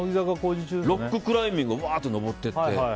ロッククライミングを登っていって。